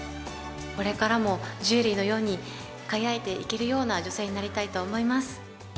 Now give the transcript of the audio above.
これからもジュエリーのように輝いていけるような女性になりたいと思います。